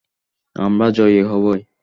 আমরা জয়ী হবোই!